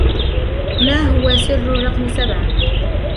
ما هُوَ سِرُّ الرَقم سَبْعَة؟